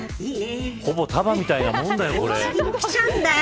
ほぼタダみたいなもんだよこれ。